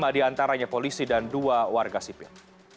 lima diantaranya polisi dan dua warga sipil